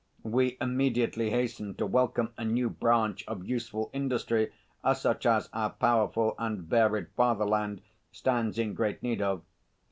We immediately hasten to welcome a new branch of useful industry such as our powerful and varied fatherland stands in great need of.